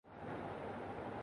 مگر یہ کیا جیس ہی ڈے میں نمک